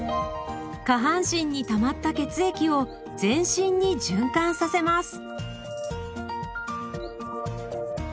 下半身にたまった血液を全身に循環させます。